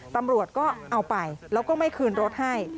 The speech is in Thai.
ตำรวจก็เอาไปแล้วก็ไม่คืนรถให้